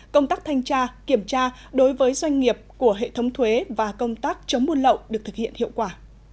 công tác thanh tra kiểm tra đối với doanh nghiệp của hệ thống thuế và công tác chống buôn lậu được thực hiện hiệu quả